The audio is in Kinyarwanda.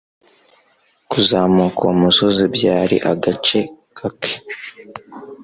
Kuzamuka uwo musozi byari agace kake.